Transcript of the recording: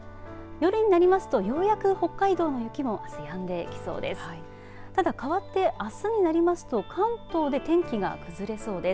夜になりますと、ようやく北海道の雪もやんできそうです。